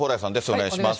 お願いします。